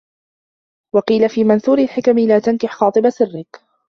وَقِيلَ فِي مَنْثُورِ الْحِكَمِ لَا تُنْكِحْ خَاطِبَ سِرِّك